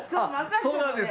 そうなんです。